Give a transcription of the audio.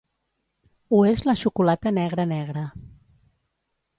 Ho és la xocolata negra negra.